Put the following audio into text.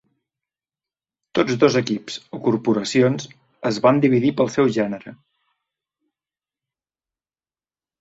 Tots dos equips, o "corporacions", es van dividir pel seu gènere.